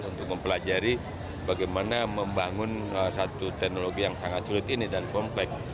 untuk mempelajari bagaimana membangun satu teknologi yang sangat sulit ini dan komplek